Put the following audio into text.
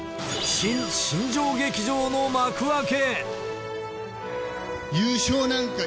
新・新庄劇場の幕開け。